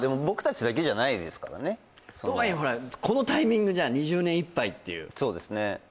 僕達だけじゃないですからねとはいえほらこのタイミングじゃん２０２０年いっぱいっていうそうですね